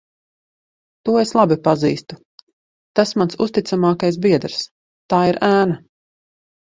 To es labi pazīstu. Tas mans uzticamākais biedrs. Tā ir ēna.